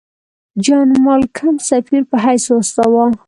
جان مالکم سفیر په حیث واستاوه.